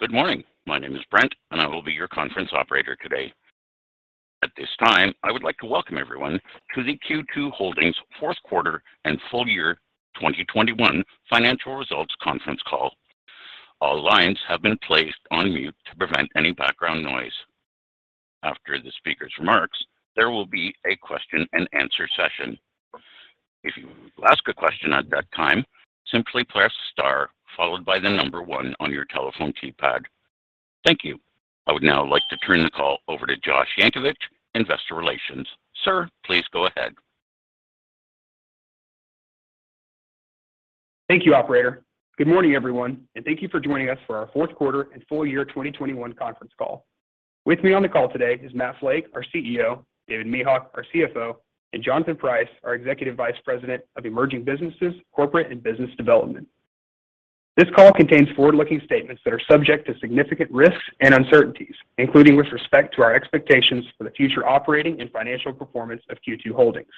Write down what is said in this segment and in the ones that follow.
Good morning. My name is Brent, and I will be your conference operator today. At this time, I would like to welcome everyone to the Q2 Holdings Fourth Quarter and Full Year 2021 Financial Results Conference Call. All lines have been placed on mute to prevent any background noise. After the speaker's remarks, there will be a question-and-answer session. If you would ask a question at that time, simply press star followed by the number one on your telephone keypad. Thank you. I would now like to turn the call over to Josh Yankovich, Investor Relations. Sir, please go ahead. Thank you, operator. Good morning, everyone, and thank you for joining us for our Fourth Quarter and Full Year 2021 Conference Call. With me on the call today is Matt Flake, our CEO, David Mehok, our CFO, and Jonathan Price, our Executive Vice President of Emerging Businesses, Corporate and Business Development. This call contains forward-looking statements that are subject to significant risks and uncertainties, including with respect to our expectations for the future operating and financial performance of Q2 Holdings.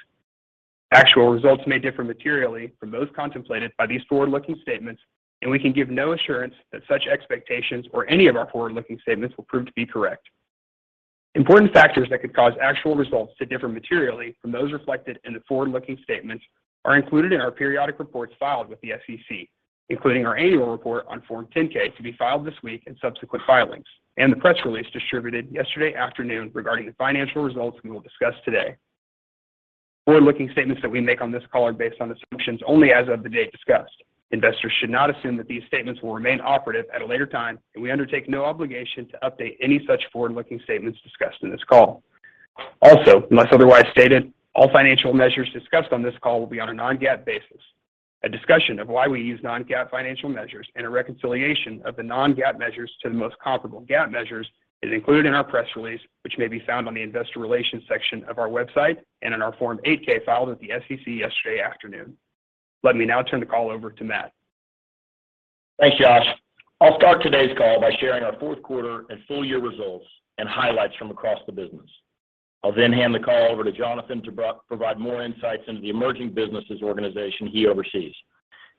Actual results may differ materially from those contemplated by these forward-looking statements, and we can give no assurance that such expectations or any of our forward-looking statements will prove to be correct. Important factors that could cause actual results to differ materially from those reflected in the forward-looking statements are included in our periodic reports filed with the SEC, including our annual report on Form 10-K to be filed this week, in subsequent filings, and the press release distributed yesterday afternoon regarding the financial results we will discuss today. Forward-looking statements that we make on this call are based on assumptions only as of the day discussed. Investors should not assume that these statements will remain operative at a later time, and we undertake no obligation to update any such forward-looking statements discussed in this call. Also, unless otherwise stated, all financial measures discussed on this call will be on a non-GAAP basis. A discussion of why we use non-GAAP financial measures and a reconciliation of the non-GAAP measures to the most comparable GAAP measures is included in our press release, which may be found on the investor relations section of our website and in our Form 8-K filed at the SEC yesterday afternoon. Let me now turn the call over to Matt. Thanks, Josh. I'll start today's call by sharing our fourth quarter and full year results and highlights from across the business. I'll then hand the call over to Jonathan to provide more insights into the Emerging Businesses organization he oversees.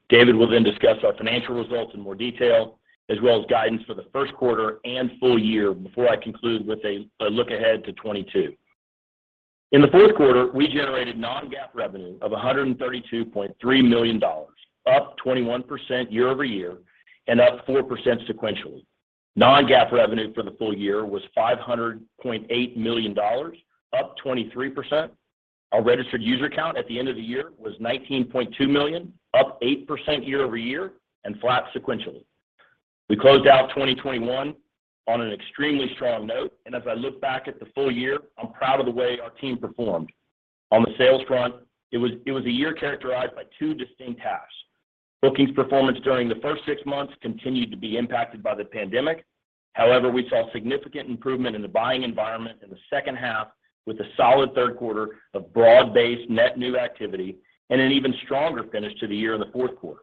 David will then discuss our financial results in more detail, as well as guidance for the first quarter and full year before I conclude with a look ahead to 2022. In the fourth quarter, we generated non-GAAP revenue of $132.3 million, up 21% year-over-year and up 4% sequentially. Non-GAAP revenue for the full year was $500.8 million, up 23%. Our registered user count at the end of the year was 19.2 million, up 8% year-over-year and flat sequentially. We closed out 2021 on an extremely strong note, and as I look back at the full year, I'm proud of the way our team performed. On the sales front, it was a year characterized by two distinct halves. Bookings performance during the first six months continued to be impacted by the pandemic. However, we saw significant improvement in the buying environment in the second half with a solid third quarter of broad-based net new activity. And an even stronger finish to the year in the fourth quarter.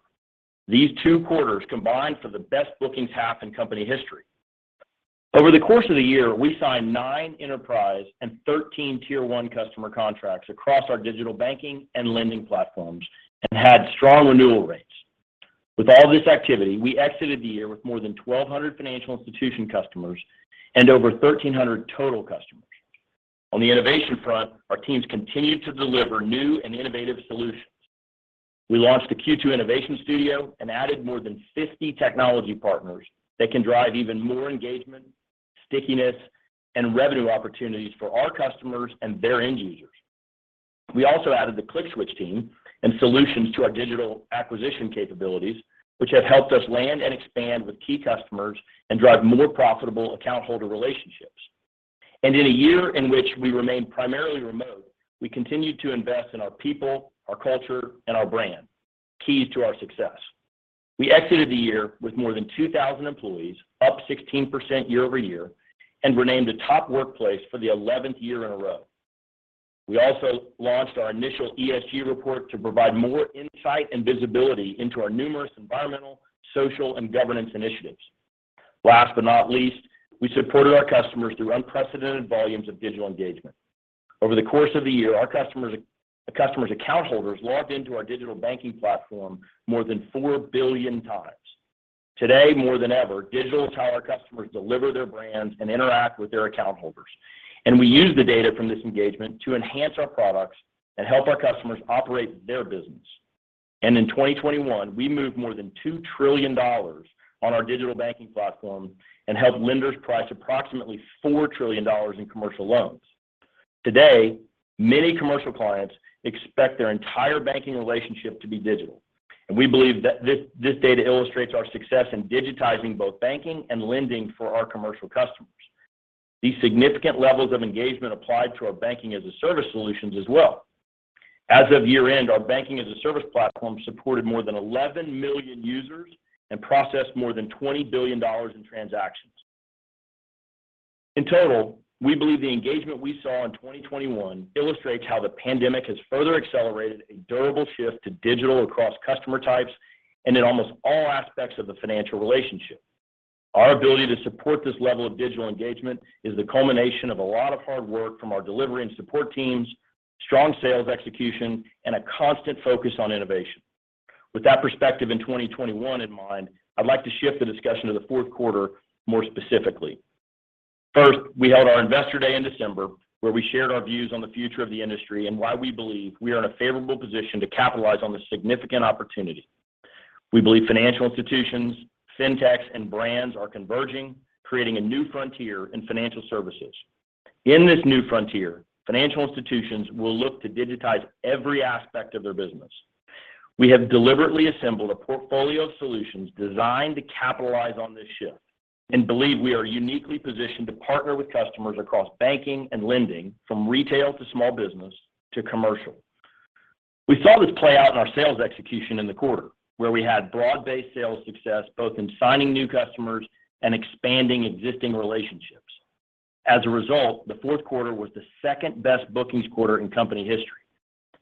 These two quarters combined for the best bookings half in company history. Over the course of the year, we signed nine enterprise and 13 tier one customer contracts across our digital banking and lending platforms and had strong renewal rates. With all this activity, we exited the year with more than 1,200 financial institution customers and over 1,300 total customers. On the innovation front, our teams continued to deliver new and innovative solutions. We launched a Q2 Innovation Studio and added more than 50 technology partners that can drive even more engagement, stickiness, and revenue opportunities for our customers and their end users. We also added the ClickSWITCH team and solutions to our digital acquisition capabilities, which have helped us land and expand with key customers and drive more profitable account holder relationships. In a year in which we remained primarily remote, we continued to invest in our people, our culture, and our brand, keys to our success. We exited the year with more than 2,000 employees, up 16% year-over-year, and were named a top workplace for the 11th year in a row. We also launched our initial ESG report to provide more insight and visibility into our numerous environmental, social, and governance initiatives. Last but not least, we supported our customers through unprecedented volumes of digital engagement. Over the course of the year, our customers' account holders logged into our digital banking platform more than 4 billion times. Today, more than ever, digital is how our customers deliver their brands and interact with their account holders, and we use the data from this engagement to enhance our products and help our customers operate their business. In 2021, we moved more than $2 trillion on our digital banking platform and helped lenders price approximately $4 trillion in commercial loans. Today, many commercial clients expect their entire banking relationship to be digital, and we believe this data illustrates our success in digitizing both banking and lending for our commercial customers. These significant levels of engagement applied to our banking-as-a-service solutions as well. As of year-end, our banking-as-a-service platform supported more than 11 million users and processed more than $20 billion in transactions. In total, we believe the engagement we saw in 2021 illustrates how the pandemic has further accelerated a durable shift to digital across customer types and in almost all aspects of the financial relationship. Our ability to support this level of digital engagement is the culmination of a lot of hard work from our delivery and support teams, strong sales execution, and a constant focus on innovation. With that perspective in 2021 in mind, I'd like to shift the discussion to the fourth quarter more specifically. First, we held our Investor Day in December, where we shared our views on the future of the industry and why we believe we are in a favorable position to capitalize on the significant opportunity. We believe financial institutions, fintechs, and brands are converging, creating a new frontier in financial services. In this new frontier, financial institutions will look to digitize every aspect of their business. We have deliberately assembled a portfolio of solutions designed to capitalize on this shift and believe we are uniquely positioned to partner with customers across banking and lending from retail to small business to commercial. We saw this play out in our sales execution in the quarter, where we had broad-based sales success both in signing new customers and expanding existing relationships. As a result, the fourth quarter was the second-best bookings quarter in company history,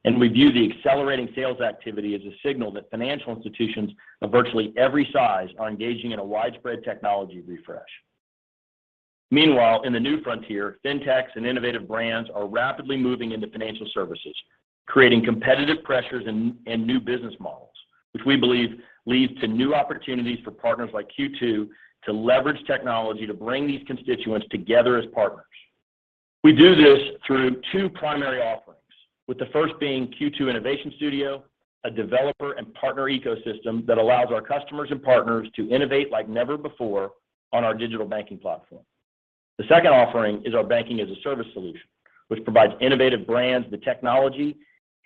and we view the accelerating sales activity as a signal that financial institutions of virtually every size are engaging in a widespread technology refresh. Meanwhile, in the new frontier, fintechs and innovative brands are rapidly moving into financial services, creating competitive pressures and new business models, which we believe leads to new opportunities for partners like Q2 to leverage technology to bring these constituents together as partners. We do this through two primary offerings, with the first being Q2 Innovation Studio, a developer and partner ecosystem that allows our customers and partners to innovate like never before on our digital banking platform. The second offering is our Banking-as-a-Service solution, which provides innovative brands the technology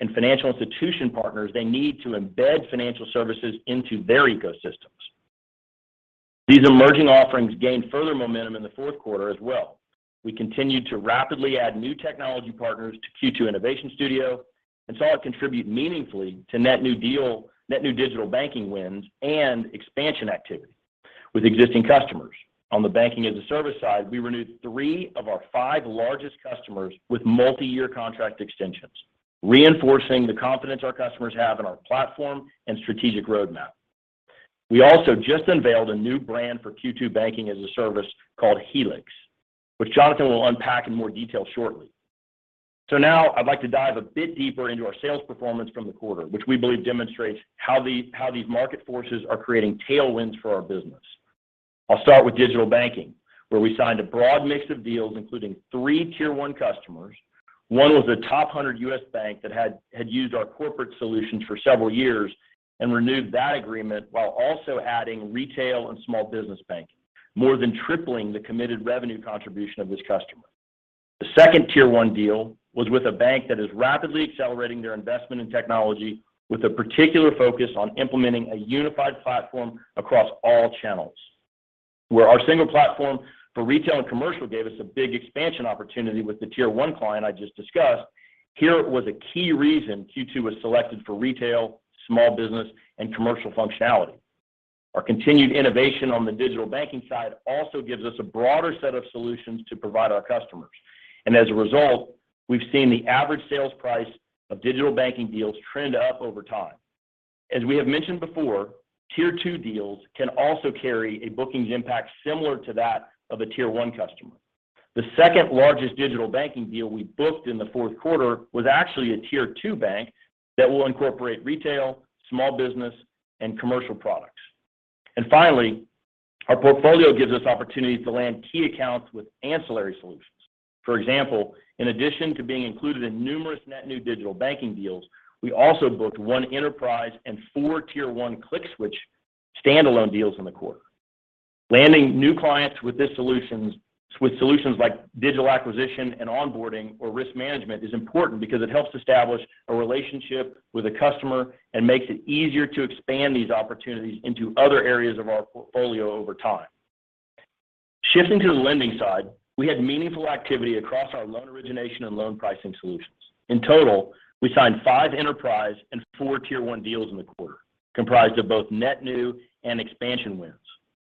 and financial institution partners they need to embed financial services into their ecosystems. These emerging offerings gained further momentum in the fourth quarter as well. We continued to rapidly add new technology partners to Q2 Innovation Studio and saw it contribute meaningfully to net new digital banking wins and expansion activity with existing customers. On the banking-as-a-service side, we renewed three of our five largest customers with multiyear contract extensions, reinforcing the confidence our customers have in our platform and strategic roadmap. We also just unveiled a new brand for Q2 Banking-as-a-Service called Helix, which Jonathan will unpack in more detail shortly. Now I'd like to dive a bit deeper into our sales performance from the quarter, which we believe demonstrates how these market forces are creating tailwinds for our business. I'll start with digital banking, where we signed a broad mix of deals including three tier one customers. One was a top 100 U.S. bank that had used our corporate solutions for several years and renewed that agreement while also adding retail and small business banking, more than tripling the committed revenue contribution of this customer. The second tier one deal was with a bank that is rapidly accelerating their investment in technology with a particular focus on implementing a unified platform across all channels. Where our single platform for retail and commercial gave us a big expansion opportunity with the tier one client I just discussed, here was a key reason Q2 was selected for retail, small business, and commercial functionality. Our continued innovation on the digital banking side also gives us a broader set of solutions to provide our customers. As a result, we've seen the average sales price of digital banking deals trend up over time. As we have mentioned before, tier two deals can also carry a bookings impact similar to that of a tier one customer. The second-largest digital banking deal we booked in the fourth quarter was actually a tier two bank that will incorporate retail, small business, and commercial products. Finally, our portfolio gives us opportunities to land key accounts with ancillary solutions. For example, in addition to being included in numerous net new digital banking deals, we also booked one enterprise and four tier one ClickSWITCH standalone deals in the quarter. Landing new clients with solutions like digital acquisition and onboarding or risk management is important because it helps establish a relationship with a customer and makes it easier to expand these opportunities into other areas of our portfolio over time. Shifting to the lending side, we had meaningful activity across our loan origination and loan pricing solutions. In total, we signed five enterprise and four tier one deals in the quarter, comprised of both net new and expansion wins.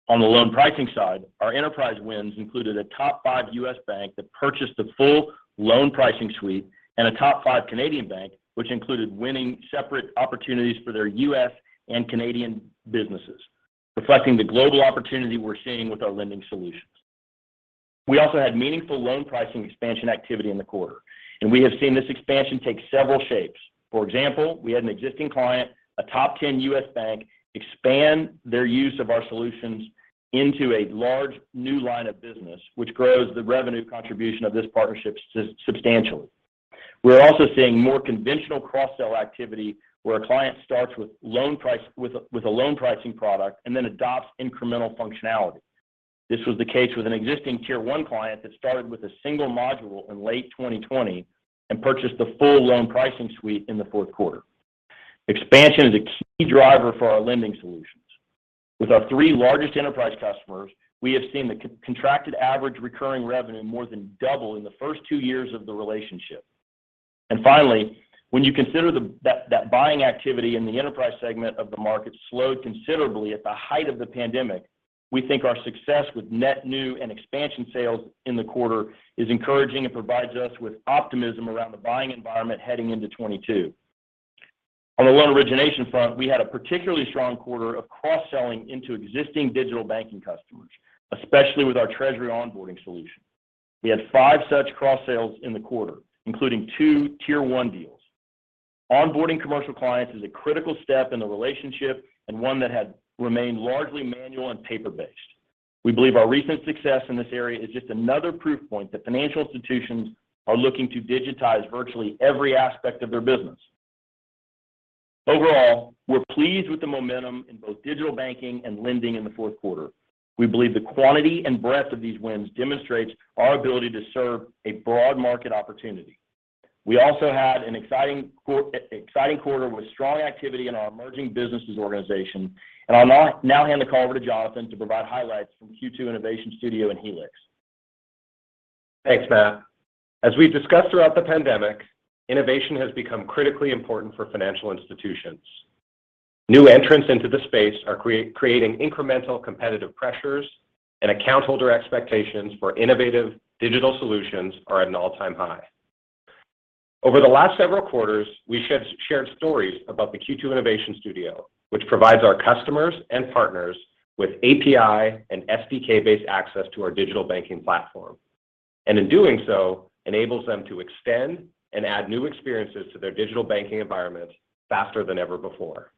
On the loan pricing side, our enterprise wins included a top five U.S. bank that purchased the full loan pricing suite and a top five Canadian bank which included winning separate opportunities for their U.S. and Canadian businesses, reflecting the global opportunity we're seeing with our lending solutions. We also had meaningful loan pricing expansion activity in the quarter, and we have seen this expansion take several shapes. For example, we had an existing client, a top 10 U.S. bank, expand their use of our solutions into a large new line of business, which grows the revenue contribution of this partnership substantially. We're also seeing more conventional cross-sell activity where a client starts with a loan pricing product and then adopts incremental functionality. This was the case with an existing tier one client that started with a single module in late 2020 and purchased the full loan pricing suite in the fourth quarter. Expansion is a key driver for our lending solutions. With our three largest enterprise customers, we have seen the contracted average recurring revenue more than double in the first two years of the relationship. Finally, when you consider that buying activity in the enterprise segment of the market slowed considerably at the height of the pandemic, we think our success with net new and expansion sales in the quarter is encouraging and provides us with optimism around the buying environment heading into 2022. On the loan origination front, we had a particularly strong quarter of cross-selling into existing digital banking customers, especially with our treasury onboarding solution. We had five such cross-sales in the quarter, including two tier one deals. Onboarding commercial clients is a critical step in the relationship and one that had remained largely manual and paper-based. We believe our recent success in this area is just another proof point that financial institutions are looking to digitize virtually every aspect of their business. Overall, we're pleased with the momentum in both digital banking and lending in the fourth quarter. We believe the quantity and breadth of these wins demonstrates our ability to serve a broad market opportunity. We also had an exciting quarter with strong activity in our emerging businesses organization. I'll now hand the call over to Jonathan to provide highlights from Q2 Innovation Studio and Helix. Thanks, Matt. As we've discussed throughout the pandemic, innovation has become critically important for financial institutions. New entrants into the space are creating incremental competitive pressures and account holder expectations for innovative digital solutions are at an all-time high. Over the last several quarters, we've shared stories about the Q2 Innovation Studio, which provides our customers and partners with API and SDK-based access to our digital banking platform, in doing so enables them to extend and add new experiences to their digital banking environment faster than ever before.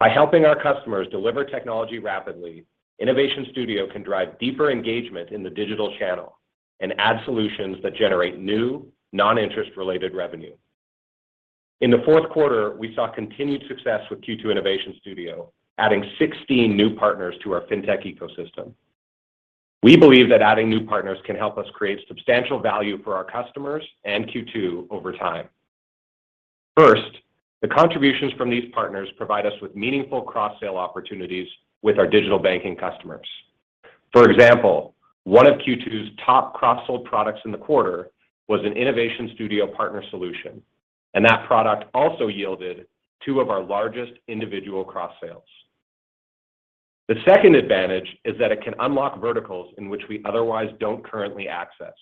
By helping our customers deliver technology rapidly, Innovation Studio can drive deeper engagement in the digital channel and add solutions that generate new non-interest related revenue. In the fourth quarter, we saw continued success with Q2 Innovation Studio, adding 16 new partners to our fintech ecosystem. We believe that adding new partners can help us create substantial value for our customers and Q2 over time. First, the contributions from these partners provide us with meaningful cross-sale opportunities with our digital banking customers. For example, one of Q2's top cross-sold products in the quarter was an Innovation Studio partner solution, and that product also yielded two of our largest individual cross-sales. The second advantage is that it can unlock verticals in which we otherwise don't currently access.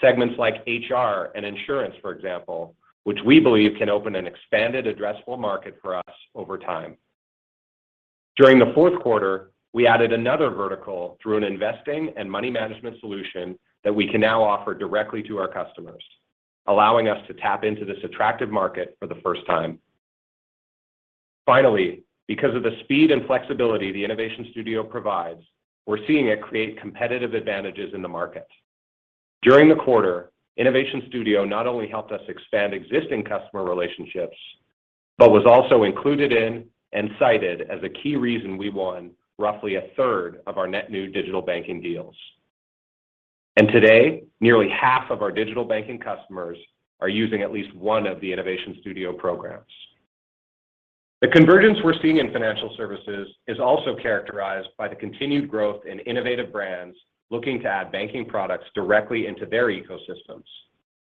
Segments like HR and insurance, for example, which we believe can open an expanded addressable market for us over time. During the fourth quarter, we added another vertical through an investing and money management solution that we can now offer directly to our customers, allowing us to tap into this attractive market for the first time. Finally, because of the speed and flexibility the Innovation Studio provides, we're seeing it create competitive advantages in the market. During the quarter, Innovation Studio not only helped us expand existing customer relationships, but was also included in and cited as a key reason we won roughly 1/3 of our net new digital banking deals. Today, nearly half of our digital banking customers are using at least one of the Innovation Studio programs. The convergence we're seeing in financial services is also characterized by the continued growth in innovative brands looking to add banking products directly into their ecosystems,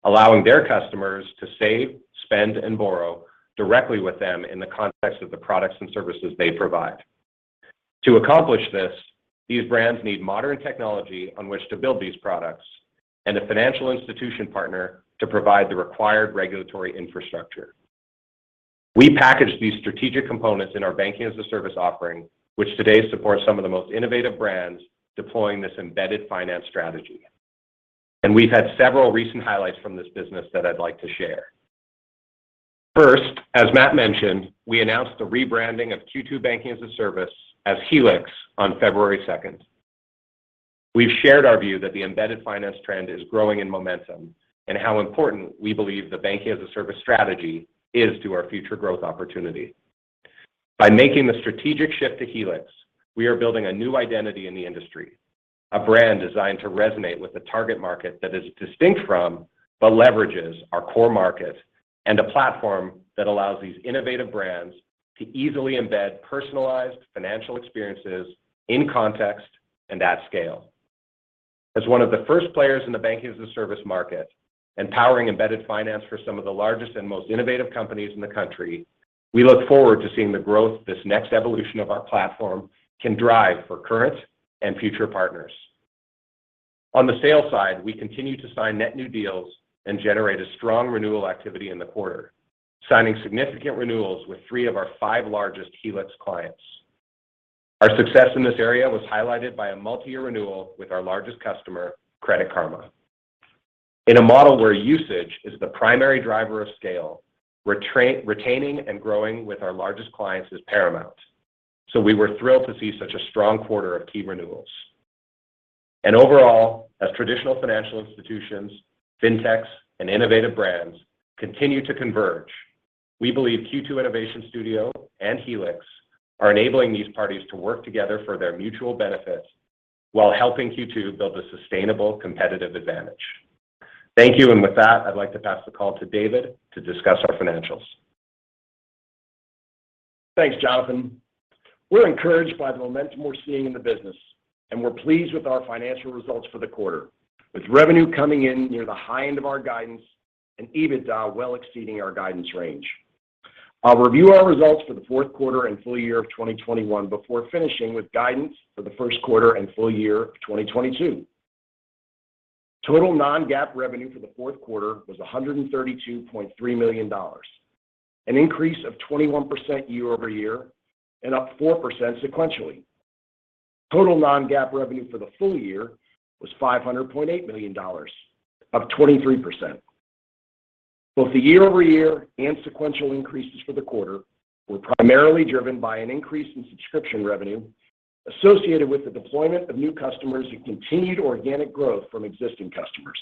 allowing their customers to save, spend, and borrow directly with them in the context of the products and services they provide. To accomplish this, these brands need modern technology on which to build these products and a financial institution partner to provide the required regulatory infrastructure. We package these strategic components in our Banking-as-a-Service offering, which today supports some of the most innovative brands deploying this embedded finance strategy. We've had several recent highlights from this business that I'd like to share. First, as Matt mentioned, we announced the rebranding of Q2 Banking-as-a-Service as Helix on February 2nd. We've shared our view that the embedded finance trend is growing in momentum and how important we believe the Banking-as-a-Service strategy is to our future growth opportunity. By making the strategic shift to Helix, we are building a new identity in the industry, a brand designed to resonate with a target market that is distinct from but leverages our core market, and a platform that allows these innovative brands to easily embed personalized financial experiences in context and at scale. As one of the first players in the banking-as-a-service market and powering embedded finance for some of the largest and most innovative companies in the country, we look forward to seeing the growth this next evolution of our platform can drive for current and future partners. On the sales side, we continue to sign net new deals and generate a strong renewal activity in the quarter, signing significant renewals with three of our five largest Helix clients. Our success in this area was highlighted by a multi-year renewal with our largest customer, Credit Karma. In a model where usage is the primary driver of scale, retaining and growing with our largest clients is paramount. We were thrilled to see such a strong quarter of key renewals. Overall, as traditional financial institutions, fintechs, and innovative brands continue to converge, we believe Q2 Innovation Studio and Helix are enabling these parties to work together for their mutual benefit while helping Q2 build a sustainable competitive advantage. Thank you. With that, I'd like to pass the call to David to discuss our financials. Thanks, Jonathan. We're encouraged by the momentum we're seeing in the business, and we're pleased with our financial results for the quarter, with revenue coming in near the high end of our guidance and EBITDA well exceeding our guidance range. I'll review our results for the fourth quarter and full year of 2021 before finishing with guidance for the first quarter and full year of 2022. Total non-GAAP revenue for the fourth quarter was $132.3 million, an increase of 21% year-over-year and up 4% sequentially. Total non-GAAP revenue for the full year was $500.8 million, up 23%. Both the year-over-year and sequential increases for the quarter were primarily driven by an increase in subscription revenue associated with the deployment of new customers who continued organic growth from existing customers.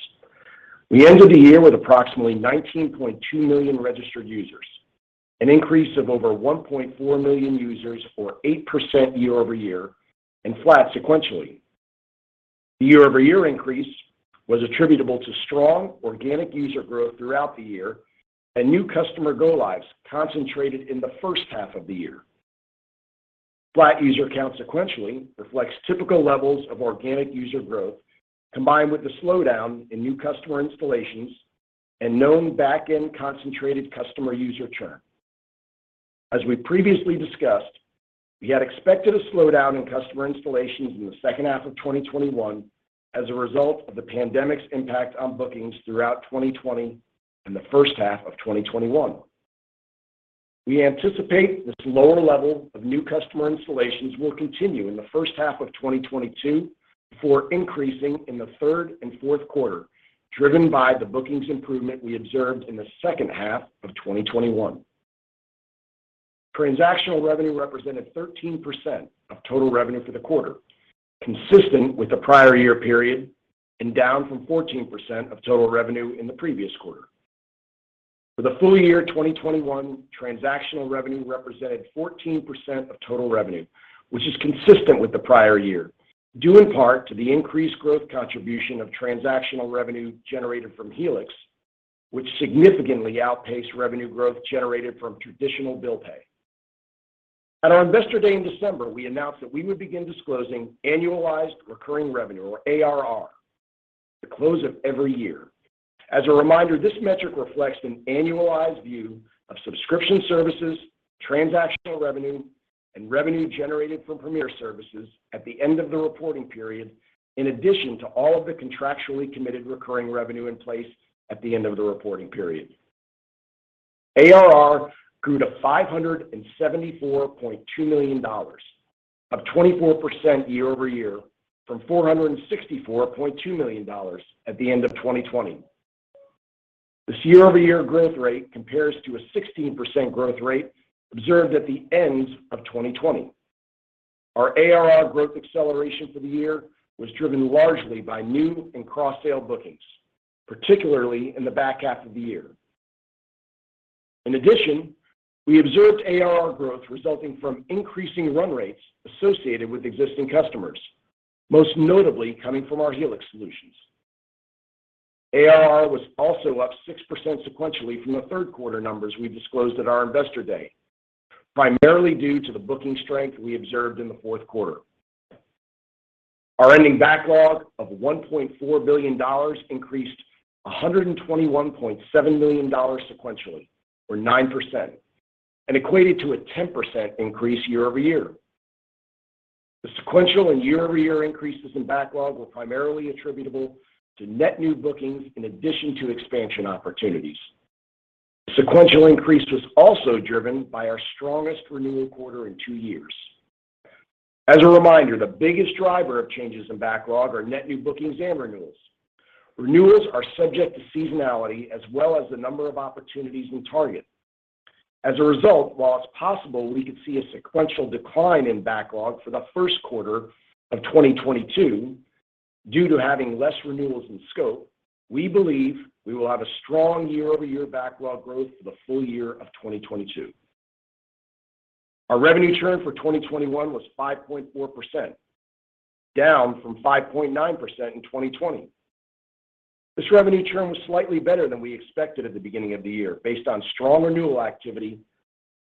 We ended the year with approximately 19.2 million registered users, an increase of over 1.4 million users or 8% year-over-year and flat sequentially. The year-over-year increase was attributable to strong organic user growth throughout the year and new customer go lives concentrated in the first half of the year. Flat user count sequentially reflects typical levels of organic user growth, combined with the slowdown in new customer installations and known back-end concentrated customer user churn. We previously discussed a slowdown in customer installations in the second half of 2021 as a result of the pandemic's impact on bookings throughout 2020 and the first half of 2021. We anticipate this lower level of new customer installations will continue in the first half of 2022 before increasing in the third and fourth quarter, driven by the bookings improvement we observed in the second half of 2021. Transactional revenue represented 13% of total revenue for the quarter, consistent with the prior year period and down from 14% of total revenue in the previous quarter. For the full year 2021, transactional revenue represented 14% of total revenue, which is consistent with the prior year, due in part to the increased growth contribution of transactional revenue generated from Helix, which significantly outpaced revenue growth generated from traditional bill pay. At our Investor Day in December, we announced that we would begin disclosing annualized recurring revenue or ARR at the close of every year. As a reminder, this metric reflects an annualized view of subscription services, transactional revenue, and revenue generated from premier services at the end of the reporting period, in addition to all of the contractually committed recurring revenue in place at the end of the reporting period. ARR grew to $574.2 million, up 24% year-over-year from $464.2 million at the end of 2020. This year-over-year growth rate compares to a 16% growth rate observed at the end of 2020. Our ARR growth acceleration for the year was driven largely by new and cross-sale bookings, particularly in the back half of the year. In addition, we observed ARR growth resulting from increasing run rates associated with existing customers, most notably coming from our Helix solutions. ARR was also up 6% sequentially from the third quarter numbers we disclosed at our Investor Day, primarily due to the booking strength we observed in the fourth quarter. Our ending backlog of $1.4 billion increased $121.7 million sequentially, or 9%, and equated to a 10% increase year-over-year. The sequential and year-over-year increases in backlog were primarily attributable to net new bookings in addition to expansion opportunities. The sequential increase was also driven by our strongest renewal quarter in two years. As a reminder, the biggest driver of changes in backlog are net new bookings and renewals. Renewals are subject to seasonality as well as the number of opportunities we target. As a result, while it's possible we could see a sequential decline in backlog for the first quarter of 2022 due to having less renewals in scope, we believe we will have a strong year-over-year backlog growth for the full year of 2022. Our revenue churn for 2021 was 5.4%, down from 5.9% in 2020. This revenue churn was slightly better than we expected at the beginning of the year based on strong renewal activity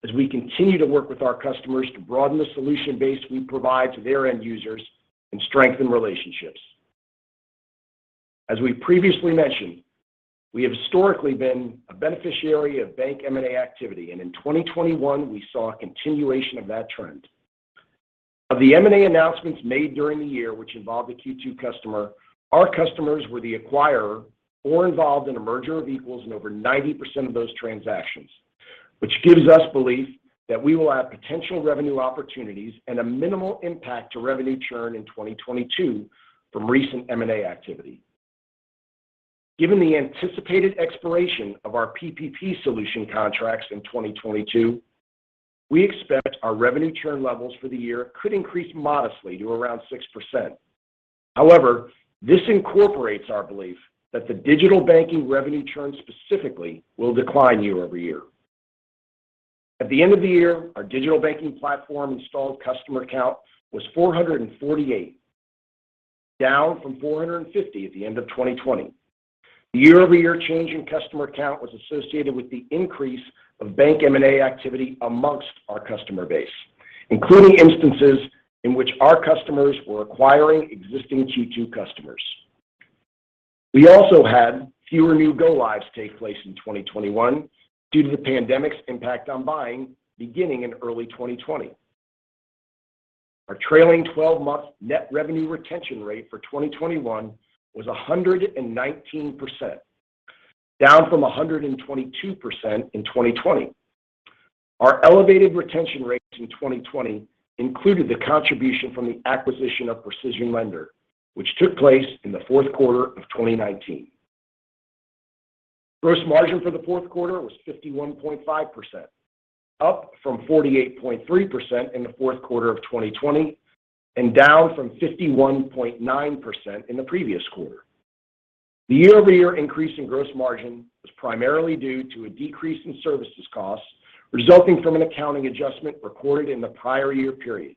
as we continue to work with our customers to broaden the solution base we provide to their end users and strengthen relationships. As we previously mentioned, we have historically been a beneficiary of bank M&A activity, and in 2021 we saw a continuation of that trend. Of the M&A announcements made during the year which involved a Q2 customer, our customers were the acquirer or involved in a merger of equals in over 90% of those transactions. Which gives us belief that we will have potential revenue opportunities and a minimal impact to revenue churn in 2022 from recent M&A activity. Given the anticipated expiration of our PPP solution contracts in 2022, we expect our revenue churn levels for the year could increase modestly to around 6%. However, this incorporates our belief that the digital banking revenue churn specifically will decline year-over-year. At the end of the year, our digital banking platform installed customer count was 448, down from 450 at the end of 2020. The year-over-year change in customer count was associated with the increase of bank M&A activity amongst our customer base, including instances in which our customers were acquiring existing Q2 customers. We also had fewer new go lives take place in 2021 due to the pandemic's impact on buying beginning in early 2020. Our trailing 12-month net revenue retention rate for 2021 was 119%, down from 122% in 2020. Our elevated retention rates in 2020 included the contribution from the acquisition of PrecisionLender, which took place in the fourth quarter of 2019. Gross margin for the fourth quarter was 51.5%, up from 48.3% in the fourth quarter of 2020 and down from 51.9% in the previous quarter. The year-over-year increase in gross margin was primarily due to a decrease in services costs resulting from an accounting adjustment recorded in the prior year period,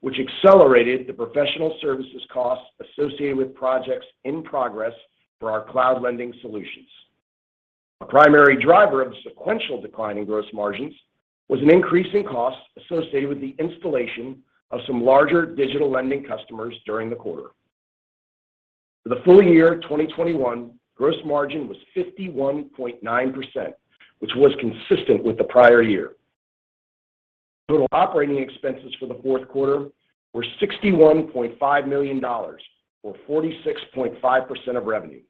which accelerated the professional services costs associated with projects in progress for our Cloud Lending solutions. A primary driver of the sequential decline in gross margins was an increase in costs associated with the installation of some larger digital lending customers during the quarter. For the full year 2021, gross margin was 51.9%, which was consistent with the prior year. Total operating expenses for the fourth quarter were $61.5 million, or 46.5% of revenue,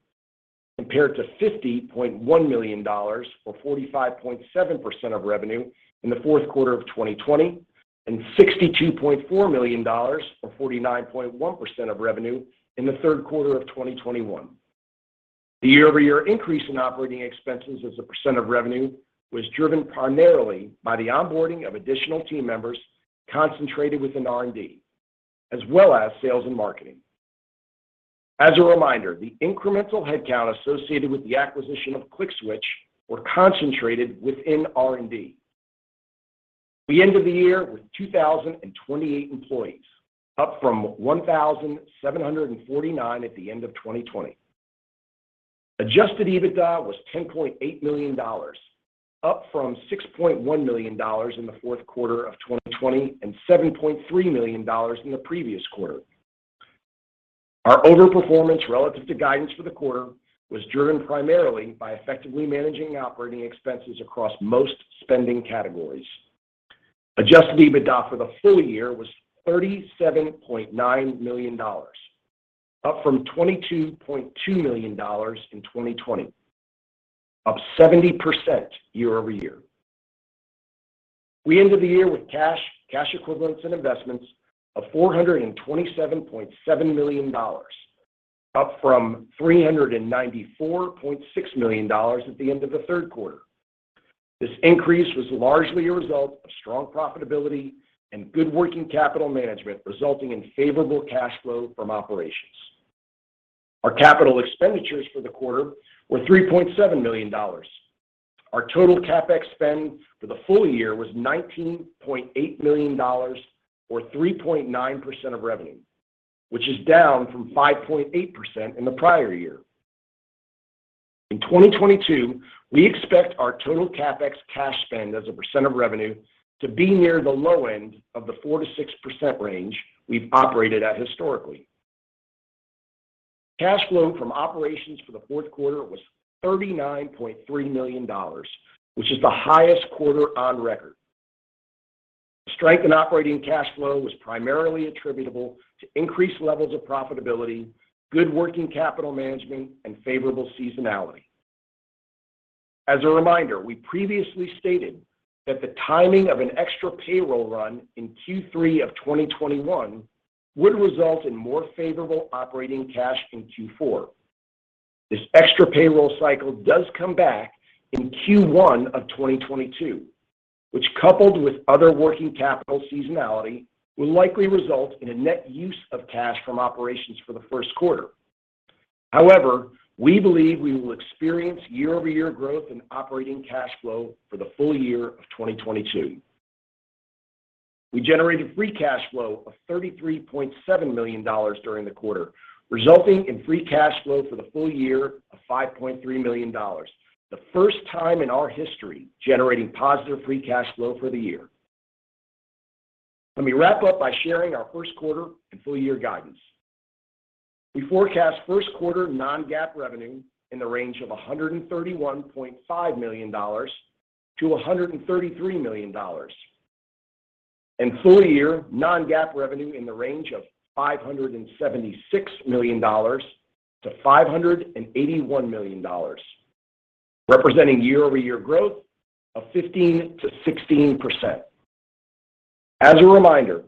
compared to $50.1 million, or 45.7% of revenue in the fourth quarter of 2020 and $62.4 million, or 49.1% of revenue in the third quarter of 2021. The year-over-year increase in operating expenses as a percent of revenue was driven primarily by the onboarding of additional team members concentrated within R&D, as well as sales and marketing. As a reminder, the incremental headcount associated with the acquisition of ClickSWITCH were concentrated within R&D. We ended the year with 2,028 employees, up from 1,749 at the end of 2020. Adjusted EBITDA was $10.8 million, up from $6.1 million in the fourth quarter of 2020 and $7.3 million in the previous quarter. Our overperformance relative to guidance for the quarter was driven primarily by effectively managing operating expenses across most spending categories. Adjusted EBITDA for the full year was $37.9 million, up from $22.2 million in 2020, up 70% year-over-year. We ended the year with cash equivalents and investments of $427.7 million, up from $394.6 million at the end of the third quarter. This increase was largely a result of strong profitability and good working capital management resulting in favorable cash flow from operations. Our capital expenditures for the quarter were $3.7 million. Our total CapEx spend for the full year was $19.8 million or 3.9% of revenue, which is down from 5.8% in the prior year. In 2022, we expect our total CapEx cash spend as a percent of revenue to be near the low end of the 4%-6% range we've operated at historically. Cash flow from operations for the fourth quarter was $39.3 million, which is the highest quarter on record. The strength in operating cash flow was primarily attributable to increased levels of profitability, good working capital management, and favorable seasonality. As a reminder, we previously stated that the timing of an extra payroll run in Q3 of 2021 would result in more favorable operating cash in Q4. This extra payroll cycle does come back in Q1 of 2022, which coupled with other working capital seasonality, will likely result in a net use of cash from operations for the first quarter. However, we believe we will experience year-over-year growth in operating cash flow for the full year of 2022. We generated free cash flow of $33.7 million during the quarter, resulting in free cash flow for the full year of $5.3 million, the first time in our history generating positive free cash flow for the year. Let me wrap up by sharing our first quarter and full year guidance. We forecast first quarter non-GAAP revenue in the range of $131.5 million-$133 million. Full year non-GAAP revenue in the range of $576 million-$581 million, representing year-over-year growth of 15%-16%. As a reminder,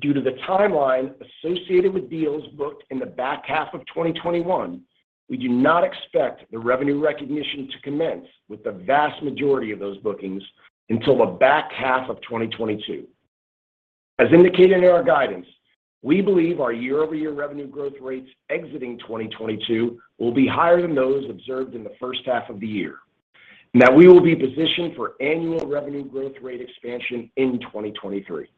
due to the timeline associated with deals booked in the back half of 2021, we do not expect the revenue recognition to commence with the vast majority of those bookings until the back half of 2022. As indicated in our guidance, we believe our year-over-year revenue growth rates exiting 2022 will be higher than those observed in the first half of the year, and that we will be positioned for annual revenue growth rate expansion in 2023.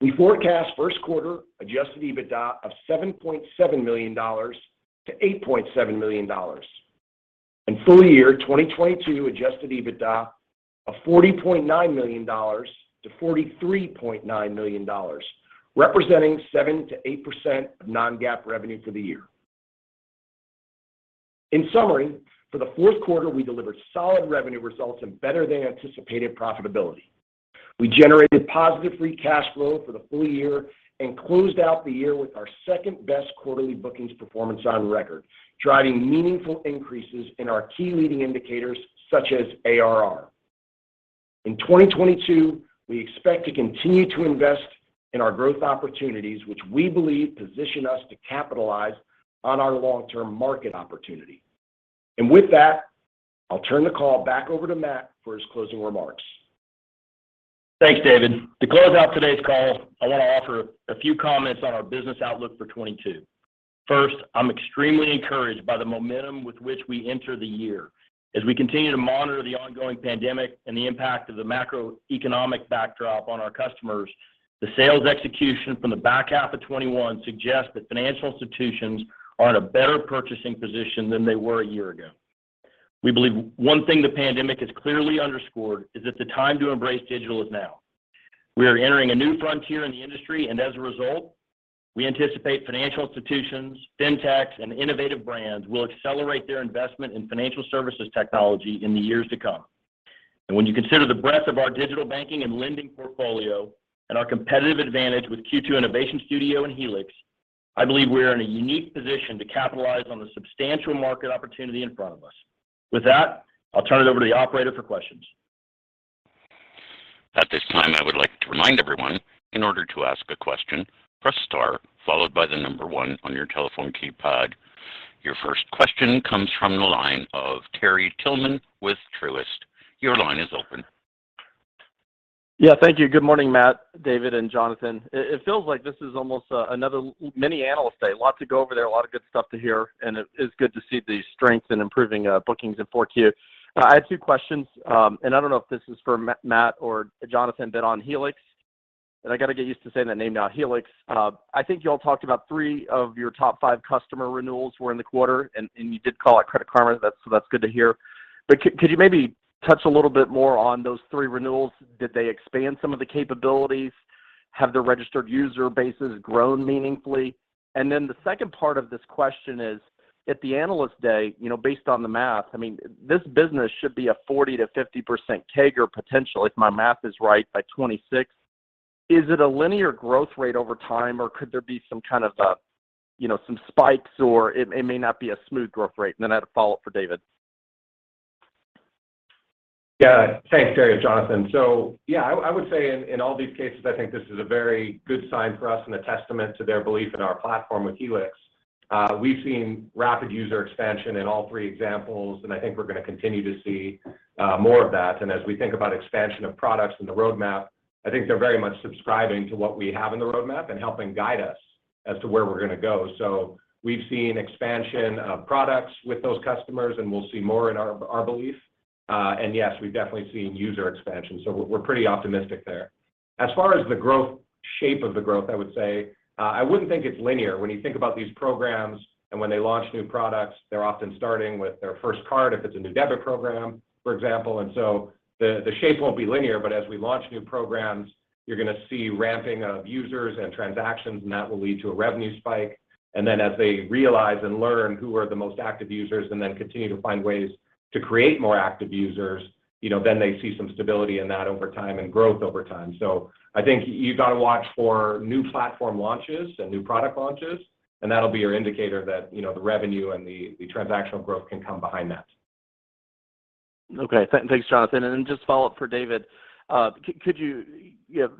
We forecast first quarter adjusted EBITDA of $7.7 million-$8.7 million, and full year 2022 adjusted EBITDA of $40.9 million-$43.9 million, representing 7%-8% of non-GAAP revenue for the year. In summary, for the fourth quarter, we delivered solid revenue results and better than anticipated profitability. We generated positive free cash flow for the full year and closed out the year with our second-best quarterly bookings performance on record, driving meaningful increases in our key leading indicators such as ARR. In 2022, we expect to continue to invest in our growth opportunities, which we believe position us to capitalize on our long-term market opportunity. With that, I'll turn the call back over to Matt for his closing remarks. Thanks, David. To close out today's call, I want to offer a few comments on our business outlook for 2022. First, I'm extremely encouraged by the momentum with which we enter the year. As we continue to monitor the ongoing pandemic and the impact of the macroeconomic backdrop on our customers, the sales execution from the back half of 2021 suggests that financial institutions are in a better purchasing position than they were a year ago. We believe one thing the pandemic has clearly underscored is that the time to embrace digital is now. We are entering a new frontier in the industry, and as a result, we anticipate financial institutions, fintechs, and innovative brands will accelerate their investment in financial services technology in the years to come. When you consider the breadth of our digital banking and lending portfolio and our competitive advantage with Q2 Innovation Studio and Helix, I believe we are in a unique position to capitalize on the substantial market opportunity in front of us. With that, I'll turn it over to the operator for questions. At this time, I would like to remind everyone, in order to ask a question, press star followed by the number one on your telephone keypad. Your first question comes from the line of Terry Tillman with Truist. Your line is open. Yeah, thank you. Good morning, Matt, David, and Jonathan. It feels like this is almost another mini analyst day. Lots to go over there, a lot of good stuff to hear, and it is good to see the strength in improving bookings in Q4. I had two questions, and I don't know if this is for Matt or Jonathan, but on Helix, and I got to get used to saying that name now, Helix. I think you all talked about three of your top five customer renewals were in the quarter, and you did call out Credit Karma, that's so that's good to hear. But could you maybe touch a little bit more on those three renewals? Did they expand some of the capabilities? Have their registered user bases grown meaningfully? The second part of this question is, at the Analyst Day, you know, based on the math, I mean, this business should be a 40%-50% CAGR potential, if my math is right, by 2026. Is it a linear growth rate over time, or could there be some kind of a, you know, some spikes, or it may not be a smooth growth rate? I had a follow-up for David. Yeah. Thanks, Terry it is Jonathan. Yeah, I would say in all these cases, I think this is a very good sign for us and a testament to their belief in our platform with Helix. We've seen rapid user expansion in all three examples, and I think we're going to continue to see more of that. As we think about expansion of products and the roadmap, I think they're very much subscribing to what we have in the roadmap and helping guide us as to where we're going to go. We've seen expansion of products with those customers, and we'll see more in our belief. Yes, we've definitely seen user expansion, so we're pretty optimistic there. As far as the shape of the growth, I would say, I wouldn't think it's linear. When you think about these programs and when they launch new products, they're often starting with their first card if it's a new debit program, for example. The shape won't be linear, but as we launch new programs, you're going to see ramping of users and transactions, and that will lead to a revenue spike. As they realize and learn who are the most active users and then continue to find ways to create more active users, you know, then they see some stability in that over time and growth over time. I think you got to watch for new platform launches and new product launches, and that'll be your indicator that, you know, the revenue and the transactional growth can come behind that. Okay. Thanks, Jonathan. Just a follow-up for David. Could you know,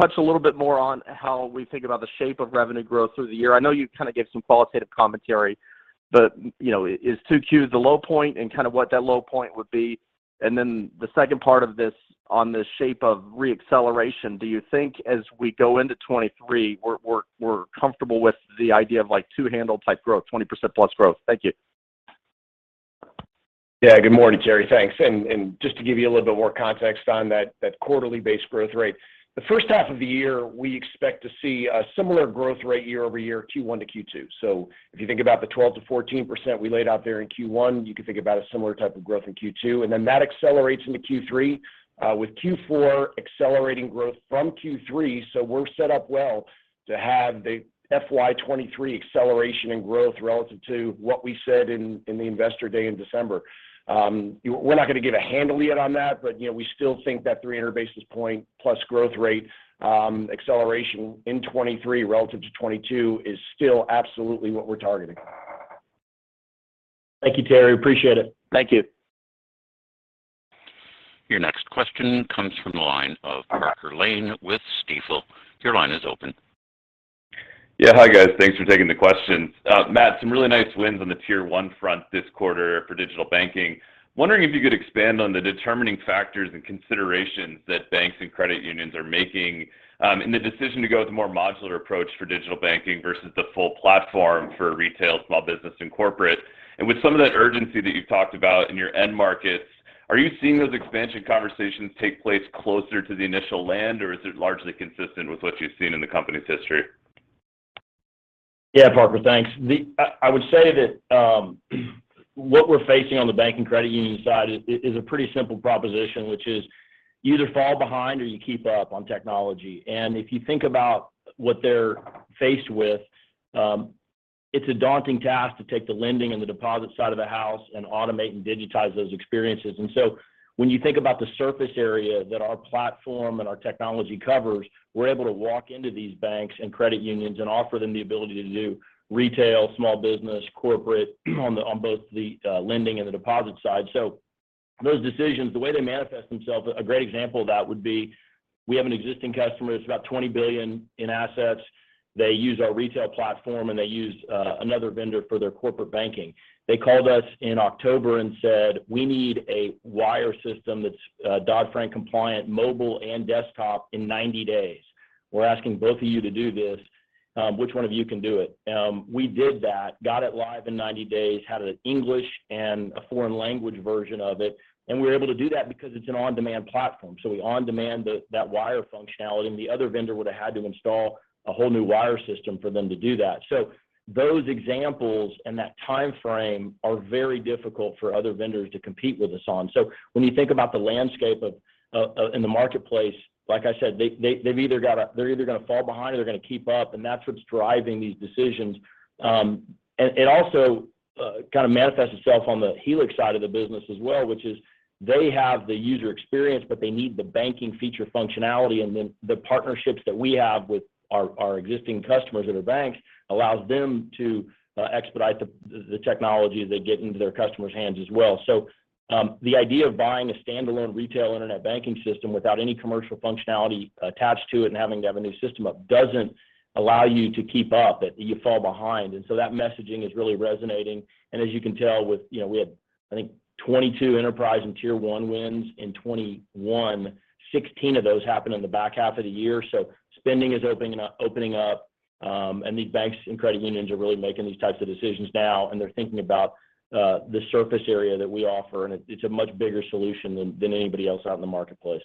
touch a little bit more on how we think about the shape of revenue growth through the year? I know you kind of gave some qualitative commentary, but, you know, is 2Q the low point and kind of what that low point would be? The second part of this on the shape of re-acceleration, do you think as we go into 2023, we're comfortable with the idea of like two-handle type growth, 20%+ growth? Thank you. Yeah. Good morning, Terry. Thanks. Just to give you a little bit more context on that quarterly-based growth rate. The first half of the year, we expect to see a similar growth rate year-over-year Q1 to Q2. If you think about the 12%-14% we laid out there in Q1, you could think about a similar type of growth in Q2. That accelerates into Q3, with Q4 accelerating growth from Q3. We're set up well to have the FY 2023 acceleration and growth relative to what we said in the Investor Day in December. We're not going to give a handle yet on that, but you know, we still think that 300+ basis point growth rate acceleration in 2023 relative to 2022 is still absolutely what we're targeting. Thank you, Terry. Appreciate it. Thank you. Your next question comes from the line of Parker Lane with Stifel. Your line is open. Yeah. Hi, guys. Thanks for taking the questions. Matt, some really nice wins on the tier one front this quarter for digital banking. Wondering if you could expand on the determining factors and considerations that banks and credit unions are making in the decision to go with a more modular approach for digital banking versus the full platform for retail, small business, and corporate. With some of that urgency that you've talked about in your end markets, are you seeing those expansion conversations take place closer to the initial land, or is it largely consistent with what you've seen in the company's history? Yeah. Parker, thanks. I would say that what we're facing on the banking credit union side is a pretty simple proposition, which is you either fall behind or you keep up on technology. If you think about what they're faced with, it's a daunting task to take the lending and the deposit side of the house and automate and digitize those experiences. When you think about the surface area that our platform and our technology covers, we're able to walk into these banks and credit unions and offer them the ability to do retail, small business, corporate on both the lending and the deposit side. Those decisions, the way they manifest themselves, a great example of that would be we have an existing customer that's about $20 billion in assets. They use our retail platform, and they use another vendor for their corporate banking. They called us in October and said, "We need a wire system that's Dodd-Frank compliant, mobile and desktop in 90 days. We're asking both of you to do this. Which one of you can do it?" We did that, got it live in 90 days, had an English and a foreign language version of it, and we were able to do that because it's an on-demand platform. We on-demand that wire functionality, and the other vendor would have had to install a whole new wire system for them to do that. Those examples and that timeframe are very difficult for other vendors to compete with us on. When you think about the landscape in the marketplace, like I said, they're either going to fall behind or they're going to keep up, and that's what's driving these decisions. It also kind of manifests itself on the Helix side of the business as well, which is they have the user experience, but they need the banking feature functionality. Then the partnerships that we have with our existing customers that are banks allows them to expedite the technology as they get into their customers' hands as well. The idea of buying a standalone retail internet banking system without any commercial functionality attached to it and having to have a new system up doesn't allow you to keep up. You fall behind. That messaging is really resonating. As you can tell with you know, we had, I think 22 enterprise and tier one wins in 2021, 16 of those happened in the back half of the year. Spending is opening up. These banks and credit unions are really making these types of decisions now, and they're thinking about the surface area that we offer, and it's a much bigger solution than anybody else out in the marketplace.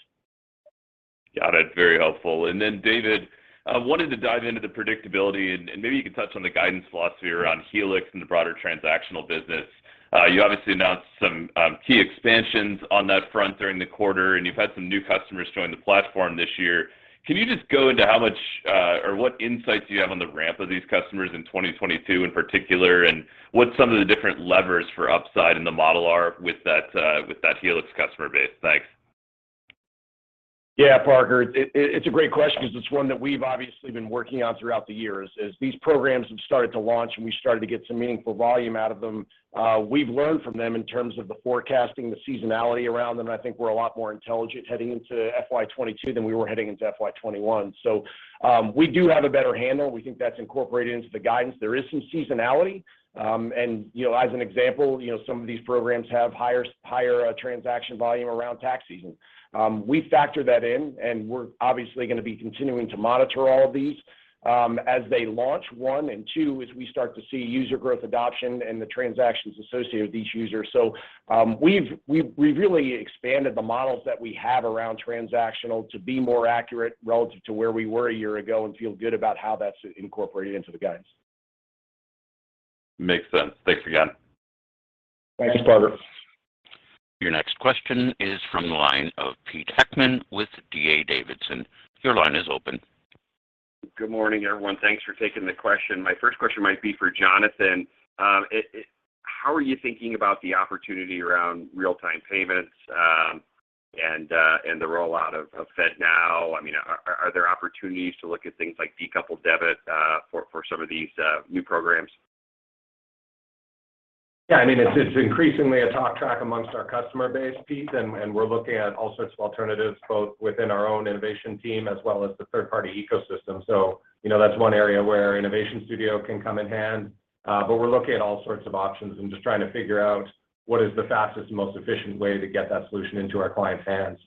Got it. Very helpful. David, I wanted to dive into the predictability and maybe you could touch on the guidance philosophy around Helix and the broader transactional business. You obviously announced some key expansions on that front during the quarter, and you've had some new customers join the platform this year. Can you just go into how much or what insights you have on the ramp of these customers in 2022 in particular, and what some of the different levers for upside in the model are with that Helix customer base? Thanks. Yeah. Parker, it is a great question because it is one that we have obviously been working on throughout the years. As these programs have started to launch, and we started to get some meaningful volume out of them, we have learned from them in terms of the forecasting, the seasonality around them. I think we are a lot more intelligent heading into FY 2022 than we were heading into FY 2021. We do have a better handle. We think that is incorporated into the guidance. There is some seasonality. You know, as an example, you know, some of these programs have higher transaction volume around tax season. We factor that in, and we're obviously going to be continuing to monitor all of these, as they launch, one, and two, as we start to see user growth adoption and the transactions associated with each user. We've really expanded the models that we have around transactional to be more accurate relative to where we were a year ago and feel good about how that's incorporated into the guidance. Makes sense. Thanks again. Thank you, Parker. Your next question is from the line of Pete Heckmann with D.A. Davidson. Your line is open. Good morning, everyone. Thanks for taking the question. My first question might be for Jonathan. How are you thinking about the opportunity around real-time payments, and the rollout of FedNow? I mean, are there opportunities to look at things like decoupled debit, for some of these new programs? Yeah. I mean, it's increasingly a talk track among our customer base, Pete, and we're looking at all sorts of alternatives, both within our own innovation team as well as the third-party ecosystem. You know, that's one area where our innovation studio can come in handy. But we're looking at all sorts of options and just trying to figure out what is the fastest, most efficient way to get that solution into our clients' hands.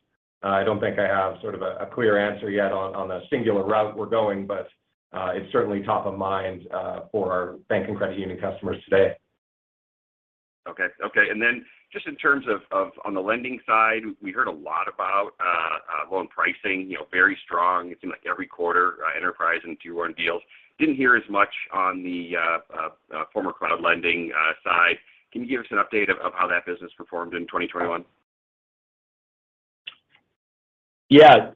I don't think I have sort of a clear answer yet on the singular route we're going, but it's certainly top of mind for our bank and credit union customers today. Okay. Just in terms of on the lending side, we heard a lot about loan pricing, you know, very strong. It seemed like every quarter, enterprise and tier one deals. Didn't hear as much on the former Cloud Lending side. Can you give us an update of how that business performed in 2021? Yeah.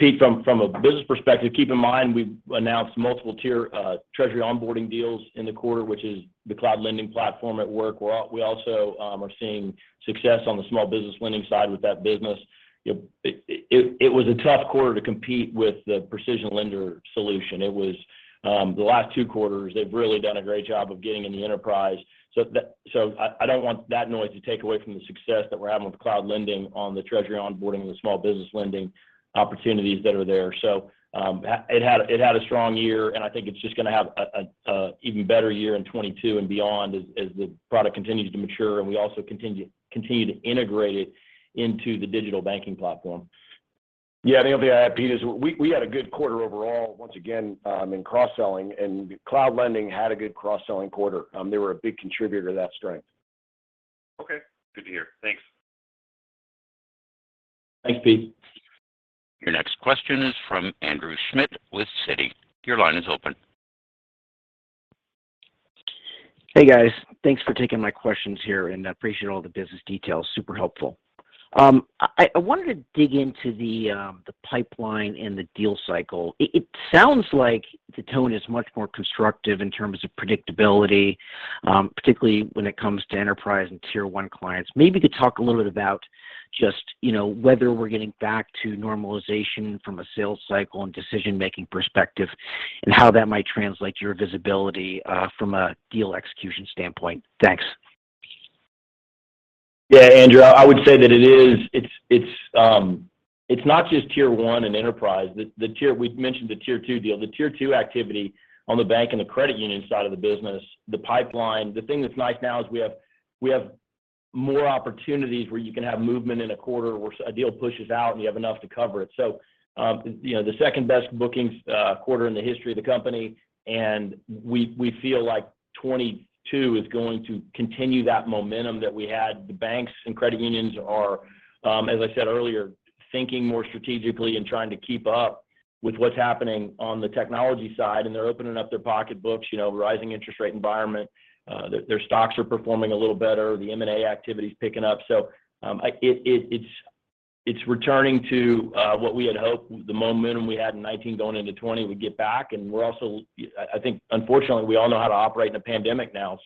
Pete, from a business perspective, keep in mind we've announced multiple tier treasury onboarding deals in the quarter, which is the Cloud Lending platform at work. We also are seeing success on the small business lending side with that business. You know, it was a tough quarter to compete with the PrecisionLender solution. It was the last two quarters, they've really done a great job of getting in the enterprise. So I don't want that noise to take away from the success that we're having with Cloud Lending on the treasury onboarding and the small business lending opportunities that are there. It had a strong year, and I think it's just gonna have a even better year in 2022 and beyond as the product continues to mature and we also continue to integrate it into the digital banking platform. Yeah. The only thing I'd add, Pete, is we had a good quarter overall, once again, in cross-selling, and Cloud Lending had a good cross-selling quarter. They were a big contributor to that strength. Okay. Good to hear. Thanks. Thanks, Pete. Your next question is from Andrew Schmidt with Citi. Your line is open. Hey guys, thanks for taking my questions here and I appreciate all the business details. Super helpful. I wanted to dig into the pipeline and the deal cycle. It sounds like the tone is much more constructive in terms of predictability, particularly when it comes to enterprise and tier one clients. Maybe could talk a little bit about just, you know, whether we're getting back to normalization from a sales cycle and decision-making perspective and how that might translate to your visibility from a deal execution standpoint. Thanks. Yeah, Andrew, I would say that it's not just tier one and enterprise. We've mentioned the tier two deal. The tier two activity on the bank and the credit union side of the business, the pipeline. The thing that's nice now is we have more opportunities where you can have movement in a quarter where a deal pushes out and you have enough to cover it. You know, the second-best bookings quarter in the history of the company, and we feel like 2022 is going to continue that momentum that we had. The banks and credit unions are, as I said earlier, thinking more strategically and trying to keep up with what's happening on the technology side, and they're opening up their pocketbooks. You know, rising interest rate environment. Their stocks are performing a little better. The M&A activity is picking up. It's returning to what we had hoped the momentum we had in 2019 going into 2020 would get back. We're also, I think fortunately, we all know how to operate in a pandemic now.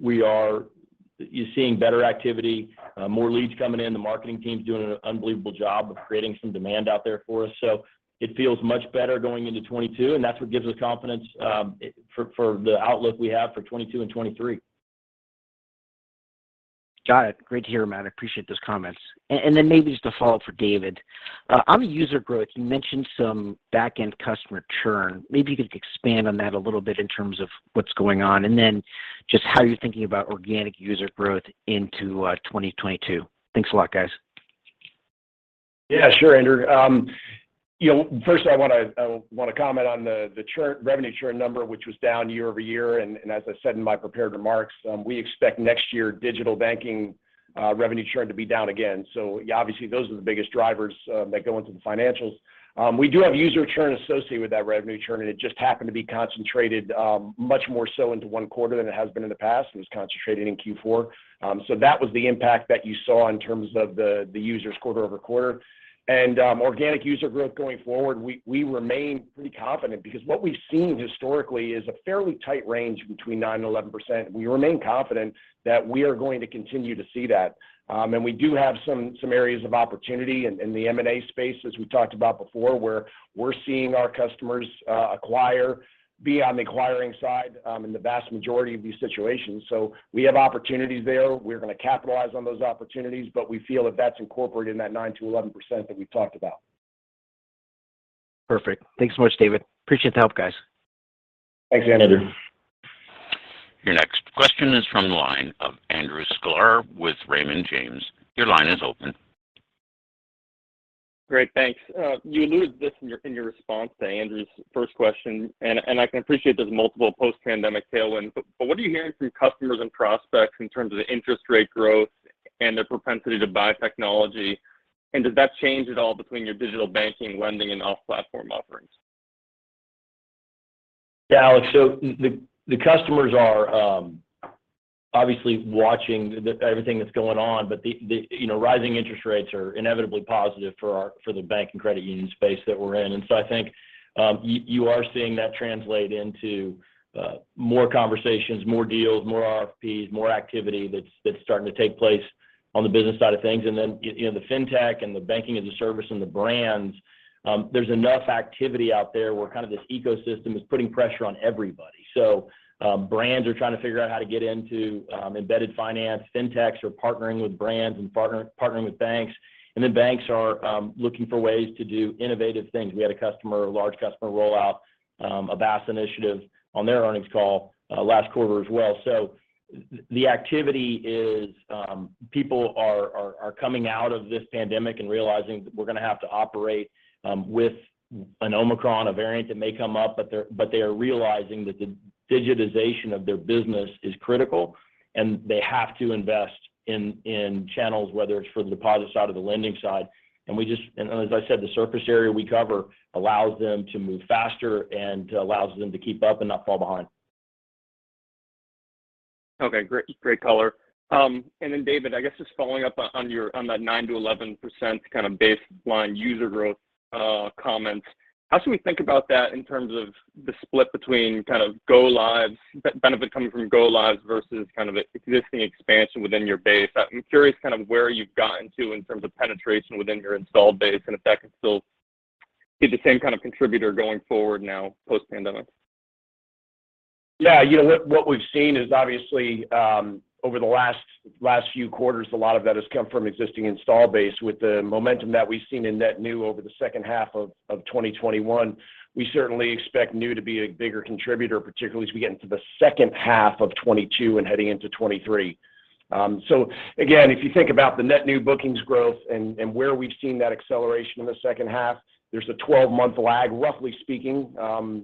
We are seeing better activity, more leads coming in. The marketing team's doing an unbelievable job of creating some demand out there for us. It feels much better going into 2022, and that's what gives us confidence for the outlook we have for 2022 and 2023. Got it. Great to hear, Matt. I appreciate those comments. Maybe just a follow-up for David. On the user growth, you mentioned some back-end customer churn. Maybe you could expand on that a little bit in terms of what's going on, and then just how you're thinking about organic user growth into 2022. Thanks a lot, guys. Yeah, sure, Andrew. You know, first I wanna comment on the churn, revenue churn number, which was down year-over-year. As I said in my prepared remarks, we expect next year digital banking revenue churn to be down again. Obviously, those are the biggest drivers that go into the financials. We do have user churn associated with that revenue churn, and it just happened to be concentrated much more so into one quarter than it has been in the past, and it was concentrated in Q4. So that was the impact that you saw in terms of the users quarter-over-quarter. Organic user growth going forward, we remain pretty confident because what we've seen historically is a fairly tight range between 9% and 11%. We remain confident that we are going to continue to see that. We do have some areas of opportunity in the M&A space, as we talked about before, where we're seeing our customers be on the acquiring side in the vast majority of these situations. We have opportunities there. We're gonna capitalize on those opportunities, but we feel that that's incorporated in that 9%-11% that we talked about. Perfect. Thanks so much, David. Appreciate the help, guys. Thanks, Andrew. Your next question is from the line of Alex Sklar with Raymond James. Your line is open. Great, thanks. You alluded to this in your response to Andrew's first question, and I can appreciate there's multiple post-pandemic tailwinds, but what are you hearing from customers and prospects in terms of the interest rate growth and their propensity to buy technology? And does that change at all between your digital banking, lending, and auth platform offerings? Yeah, Alex, so the customers are obviously watching everything that's going on, but you know, rising interest rates are inevitably positive for the bank and credit union space that we're in. I think you are seeing that translate into more conversations, more deals, more RFPs, more activity that's starting to take place on the business side of things. You know, the fintech and the banking as a service and the brands, there's enough activity out there where kind of this ecosystem is putting pressure on everybody. Brands are trying to figure out how to get into embedded finance. Fintechs are partnering with brands and partnering with banks. Banks are looking for ways to do innovative things. We had a customer, a large customer roll out, a BaaS initiative on their earnings call, last quarter as well. The activity is, people are coming out of this pandemic and realizing that we're gonna have to operate, with an Omicron, a variant that may come up, but they are realizing that the digitization of their business is critical and they have to invest in channels, whether it's for the deposit side or the lending side. As I said, the surface area we cover allows them to move faster and allows them to keep up and not fall behind. Okay, great color. David, I guess just following up on your comments on that 9%-11% kind of baseline user growth, how should we think about that in terms of the split between kind of go lives, benefit coming from go lives versus kind of existing expansion within your base? I'm curious kind of where you've gotten to in terms of penetration within your installed base and if that can still be the same kind of contributor going forward now post-pandemic. Yeah. You know what we've seen is obviously over the last few quarters, a lot of that has come from existing install base. With the momentum that we've seen in net new over the second half of 2021, we certainly expect new to be a bigger contributor, particularly as we get into the second half of 2022 and heading into 2023. Again, if you think about the net new bookings growth and where we've seen that acceleration in the second half, there's a 12-month lag, roughly speaking,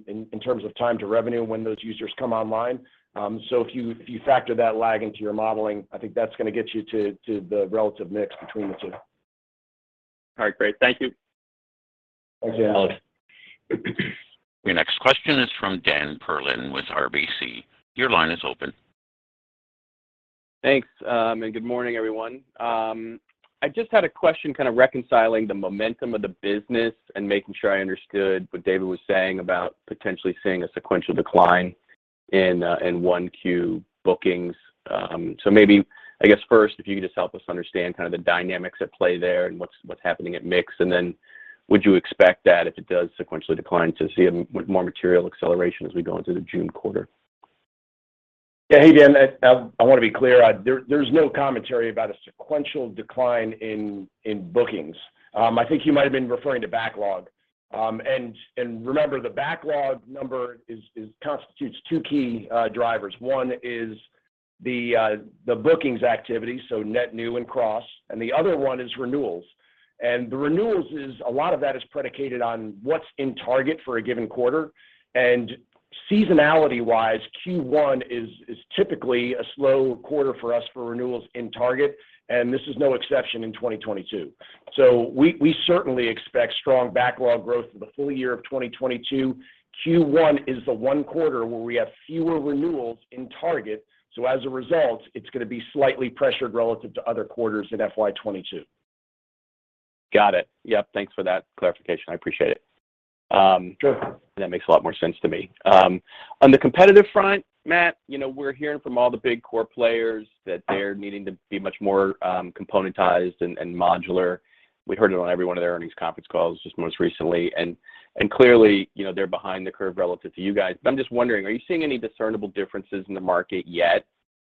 in terms of time to revenue when those users come online. If you factor that lag into your modeling, I think that's gonna get you to the relative mix between the two. All right, great. Thank you. Thanks, Alex. Your next question is from Dan Perlin with RBC. Your line is open. Thanks, and good morning, everyone. I just had a question kind of reconciling the momentum of the business and making sure I understood what David was saying about potentially seeing a sequential decline in 1Q bookings. Maybe I guess first if you could just help us understand kind of the dynamics at play there and what's happening at mix, and then would you expect that if it does sequentially decline to see a more material acceleration as we go into the June quarter? Yeah. Hey, Dan, I wanna be clear. There's no commentary about a sequential decline in bookings. I think you might have been referring to backlog. Remember the backlog number constitutes two key drivers. One is the bookings activity, so net new and cross, and the other one is renewals. The renewals is a lot of that is predicated on what's in target for a given quarter. Seasonality-wise, Q1 is typically a slow quarter for us for renewals in target, and this is no exception in 2022. We certainly expect strong backlog growth for the full year of 2022. Q1 is the one quarter where we have fewer renewals in target, so as a result, it's gonna be slightly pressured relative to other quarters in FY 2022. Got it. Yep. Thanks for that clarification. I appreciate it. Sure. That makes a lot more sense to me. On the competitive front, Matt, you know, we're hearing from all the big core players that they're needing to be much more componentized and modular. We heard it on every one of their earnings conference calls just most recently and clearly, you know, they're behind the curve relative to you guys. But I'm just wondering, are you seeing any discernible differences in the market yet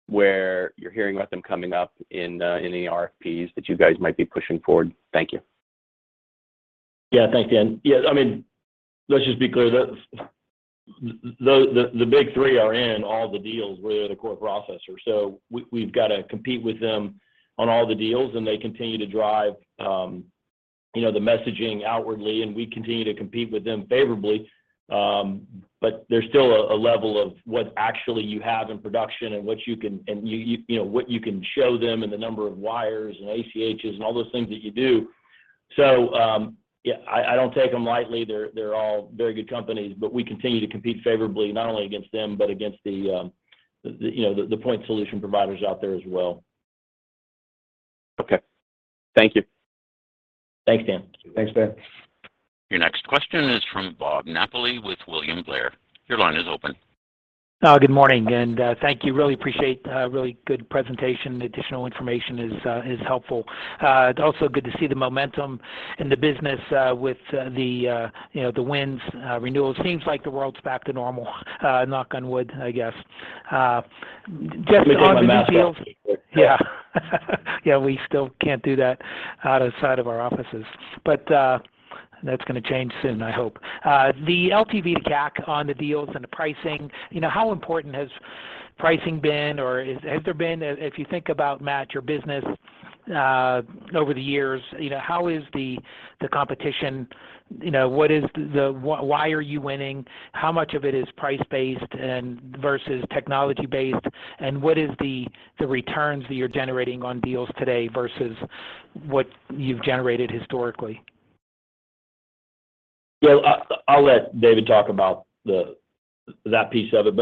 where you're hearing about them coming up in any RFPs that you guys might be pushing forward? Thank you. Yeah. Thanks, Dan. Yeah, I mean, let's just be clear. The Big Three are in all the deals. We are the core processor. We've gotta compete with them on all the deals, and they continue to drive, you know, the messaging outwardly, and we continue to compete with them favorably. But there's still a level of what actually you have in production and what you can show them and the number of wires and ACHs and all those things that you do. Yeah, I don't take them lightly. They're all very good companies. We continue to compete favorably, not only against them, but against the point solution providers out there as well. Okay. Thank you. Thanks, Dan. Thanks, Dan. Your next question is from Bob Napoli with William Blair. Your line is open. Good morning, and thank you. Really appreciate really good presentation. Additional information is helpful. It's also good to see the momentum in the business, with the you know, the wins, renewals. Seems like the world's back to normal, knock on wood, I guess. Just on these deals.. Let me take my mask off real quick. Yeah. Yeah, we still can't do that outside of our offices, but that's gonna change soon, I hope. The LTV to CAC on the deals and the pricing, you know, how important has pricing been, or has there been, if you think about, Matt, your business over the years, you know, how is the competition? You know, why are you winning? How much of it is price-based and versus technology-based, and what is the returns that you're generating on deals today versus what you've generated historically? I'll let David talk about that piece of it.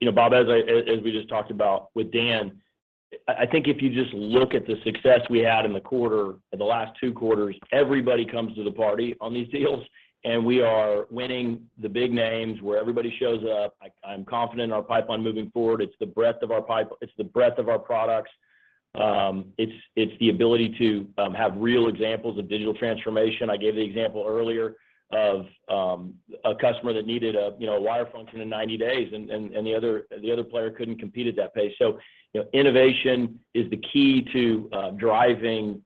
You know, Bob, as we just talked about with Dan, I think if you just look at the success we had in the quarter, the last two quarters, everybody comes to the party on these deals, and we are winning the big names where everybody shows up. I'm confident in our pipeline moving forward. It's the breadth of our products. It's the ability to have real examples of digital transformation. I gave the example earlier of a customer that needed, you know, a wire function in 90 days, and the other player couldn't compete at that pace. You know, innovation is the key to driving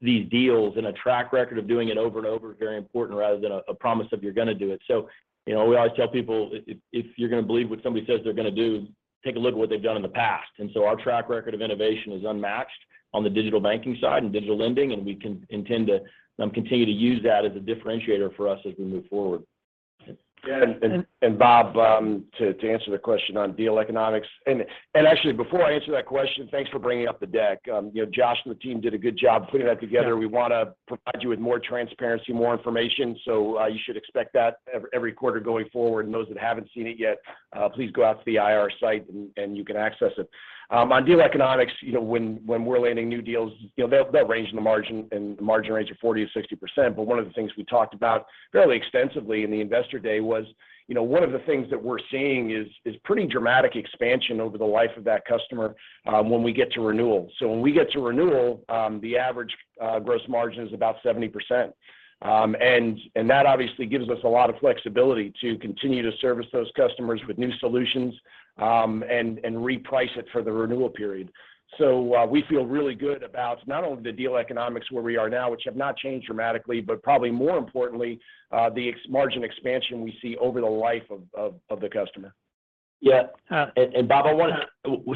these deals and a track record of doing it over and over is very important rather than a promise of you're gonna do it. You know, we always tell people if you're gonna believe what somebody says they're gonna do, take a look at what they've done in the past. Our track record of innovation is unmatched on the digital banking side and digital lending, and we intend to continue to use that as a differentiator for us as we move forward. Bob, to answer the question on deal economics, actually before I answer that question, thanks for bringing up the deck. You know, Josh and the team did a good job putting that together. We wanna provide you with more transparency, more information, so you should expect that every quarter going forward. Those that haven't seen it yet, please go out to the IR site and you can access it. On deal economics, you know, when we're landing new deals, you know, they'll range in the margin range of 40%-60%, but one of the things we talked about fairly extensively in the Investor Day was, you know, one of the things that we're seeing is pretty dramatic expansion over the life of that customer, when we get to renewal. When we get to renewal, the average gross margin is about 70%. That obviously gives us a lot of flexibility to continue to service those customers with new solutions, and reprice it for the renewal period. We feel really good about not only the deal economics where we are now, which have not changed dramatically, but probably more importantly, the margin expansion we see over the life of the customer. Bob, I want,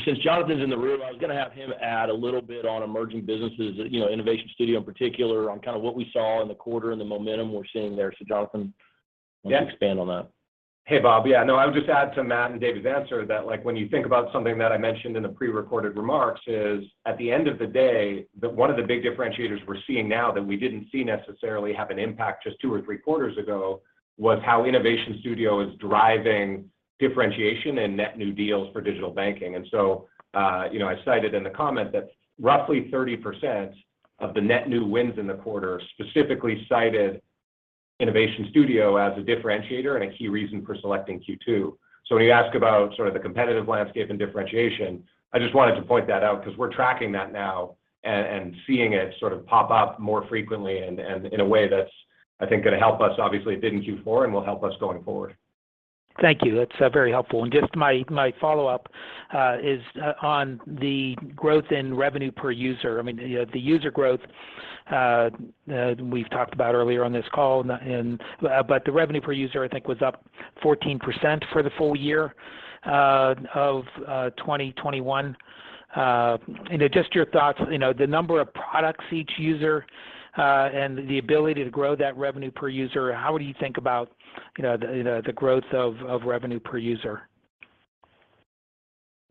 since Jonathan's in the room, I was gonna have him add a little bit on Emerging Businesses, you know, Innovation Studio in particular, on kind of what we saw in the quarter and the momentum we're seeing there. Jonathan... Yeah... why don't you expand on that? Hey, Bob. Yeah, no, I would just add to Matt and David's answer that, like when you think about something that I mentioned in the pre-recorded remarks is at the end of the day, the one of the big differentiators we're seeing now that we didn't see necessarily have an impact just two or three quarters ago was how Innovation Studio is driving differentiation and net new deals for digital banking. You know, I cited in the comment that roughly 30% of the net new wins in the quarter specifically cited Innovation Studio as a differentiator and a key reason for selecting Q2. When you ask about sort of the competitive landscape and differentiation, I just wanted to point that out 'cause we're tracking that now and seeing it sort of pop up more frequently and in a way that's, I think gonna help us obviously it did in Q4 and will help us going forward. Thank you. That's very helpful. Just my follow-up is on the growth in revenue per user. I mean the user growth we've talked about earlier on this call. The revenue per user I think was up 14% for the full year of 2021. You know, just your thoughts, you know, the number of products each user and the ability to grow that revenue per user, how would you think about, you know, the growth of revenue per user?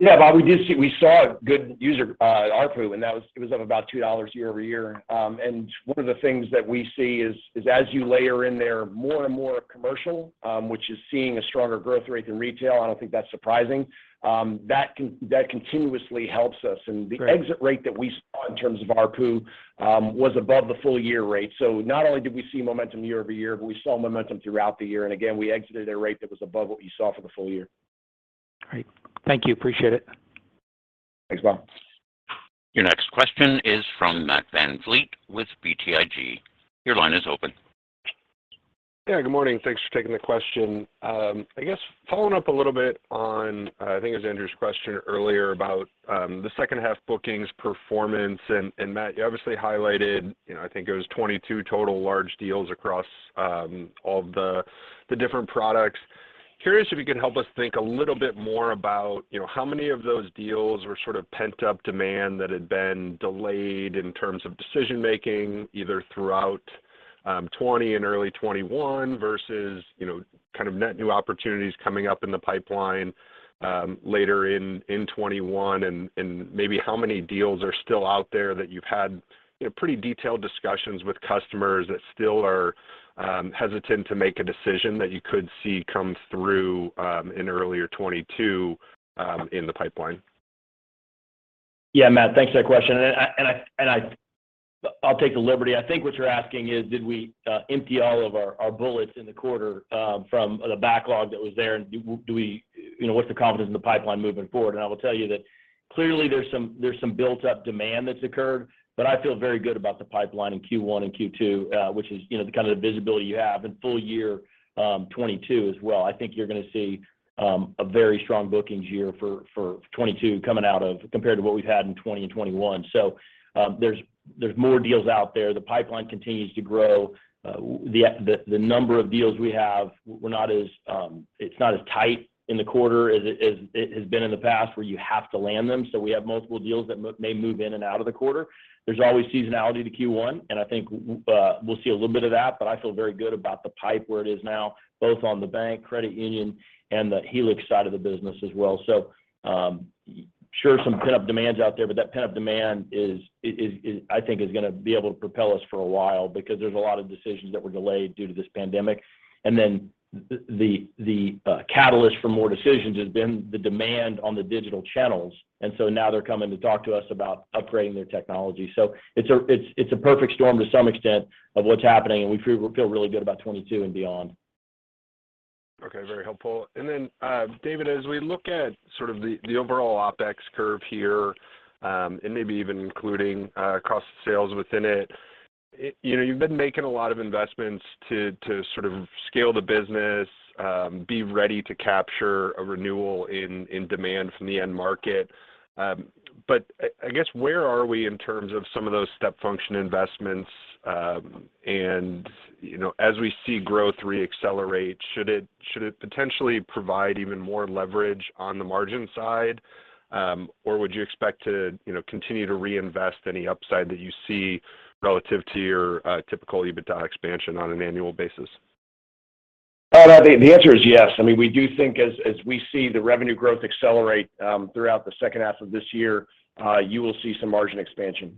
Yeah. Well, we saw a good user ARPU, and it was up about $2 year-over-year. One of the things that we see is as you layer in there more and more commercial, which is seeing a stronger growth rate than retail, I don't think that's surprising, that continuously helps us. Great. The exit rate that we saw in terms of ARPU was above the full year rate. Not only did we see momentum year-over-year, but we saw momentum throughout the year. Again, we exited at a rate that was above what you saw for the full year. Great. Thank you. Appreciate it. Thanks, Bob. Your next question is from Matt VanVliet with BTIG. Your line is open. Yeah, good morning. Thanks for taking the question. I guess following up a little bit on, I think it was Andrew's question earlier about the second half bookings performance. Matt, you obviously highlighted, you know, I think it was 22 total large deals across all of the different products. Curious if you can help us think a little bit more about, you know, how many of those deals were sort of pent-up demand that had been delayed in terms of decision-making, either throughout, 2020 and early 2021 versus, you know, kind of net new opportunities coming up in the pipeline, later in 2021 and maybe how many deals are still out there that you've had, you know, pretty detailed discussions with customers that still are, hesitant to make a decision that you could see come through, in earlier 2022, in the pipeline? Yeah, Matt, thanks for that question. I’ll take the liberty. I think what you’re asking is, did we empty all of our bullets in the quarter from the backlog that was there and do we? You know, what’s the confidence in the pipeline moving forward? I will tell you that clearly there’s some built up demand that’s occurred, but I feel very good about the pipeline in Q1 and Q2, which is, you know, the kind of the visibility you have in full year 2022 as well. I think you’re gonna see a very strong bookings year for 2022 coming out of compared to what we’ve had in 2020 and 2021. There’s more deals out there. The pipeline continues to grow. The number of deals we have, we're not as tight in the quarter as it has been in the past where you have to land them. We have multiple deals that may move in and out of the quarter. There's always seasonality to Q1, and I think we'll see a little bit of that, but I feel very good about the pipe where it is now, both on the bank, credit union, and the Helix side of the business as well. Sure, some pent-up demands out there, but that pent-up demand is, I think, gonna be able to propel us for a while because there's a lot of decisions that were delayed due to this pandemic. The catalyst for more decisions has been the demand on the digital channels. Now they're coming to talk to us about upgrading their technology. It's a perfect storm to some extent of what's happening, and we feel really good about 2022 and beyond. Okay. Very helpful. David, as we look at sort of the overall OpEx curve here, and maybe even including cross sales within it, you know, you've been making a lot of investments to sort of scale the business, be ready to capture a renewal in demand from the end market. I guess where are we in terms of some of those step function investments? You know, as we see growth re-accelerate, should it potentially provide even more leverage on the margin side? Or would you expect to, you know, continue to reinvest any upside that you see relative to your typical EBITDA expansion on an annual basis? The answer is yes. I mean, we do think as we see the revenue growth accelerate throughout the second half of this year, you will see some margin expansion.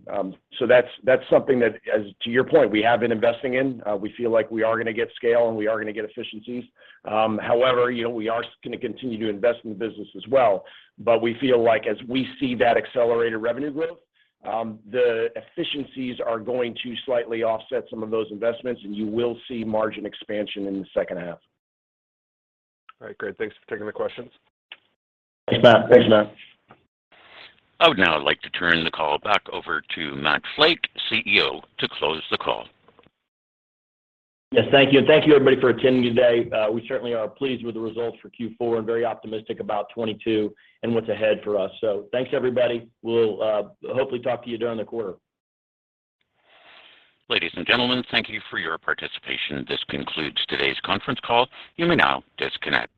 That's something that as to your point, we have been investing in. We feel like we are gonna get scale, and we are gonna get efficiencies. However, you know, we are gonna continue to invest in the business as well. We feel like as we see that accelerated revenue growth, the efficiencies are going to slightly offset some of those investments, and you will see margin expansion in the second half. All right. Great. Thanks for taking the questions. Thanks, Matt. I would now like to turn the call back over to Matt Flake, CEO, to close the call. Yes, thank you. Thank you, everybody for attending today. We certainly are pleased with the results for Q4 and very optimistic about 2022 and what's ahead for us. Thanks, everybody. We'll hopefully talk to you during the quarter. Ladies and gentlemen, thank you for your participation. This concludes today's conference call. You may now disconnect.